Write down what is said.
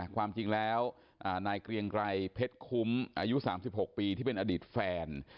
ความจริงแล้วนายเกรียงไกรเพชรคุ้มอายุ๓๖ปีที่เป็นอดีตแฟน